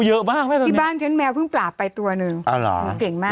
เยอะมากไหมล่ะที่บ้านฉันแมวเพิ่งปราบไปตัวหนึ่งอ่าเหรอเก่งมาก